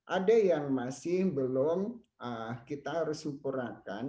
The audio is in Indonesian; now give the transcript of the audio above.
ada yang masih belum kita harus ukurankan